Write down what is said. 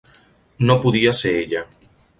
No podia ser ella.